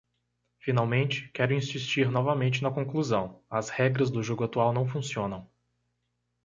Finalmente, quero insistir novamente na conclusão: as regras do jogo atual não funcionam.